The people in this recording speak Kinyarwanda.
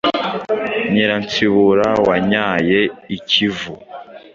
Nyiransibura wanyaye i Kivu